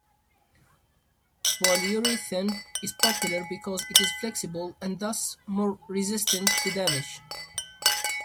Polyurethane is popular because it is flexible and thus more resistant to damage.